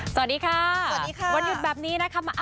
สวัสดีค่ะสวัสดีค่ะ